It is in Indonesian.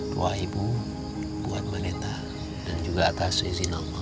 tua ibu buat meneta dan juga atas izin nama